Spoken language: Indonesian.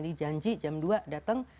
jadi janji jam dua datang